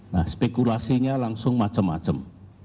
nah spekulasinya langsung macam macam